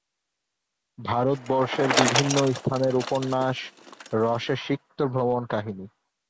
ভারতবর্ষের বিভিন্ন স্থানের উপন্যাস রসে সিক্ত ভ্রমণ কাহিনী।